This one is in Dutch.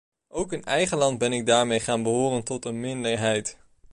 Ook in eigen land ben ik daarmee gaan behoren tot een minderheid.